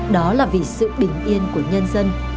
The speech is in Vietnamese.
đó là vì sự bình yên của nhân dân